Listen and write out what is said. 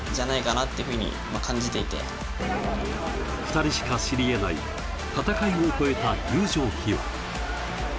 ２人しか知り得ない戦いを越えた友情秘話。